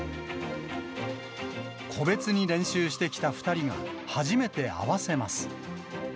個別に練習してきた２人が、初めて合わせます。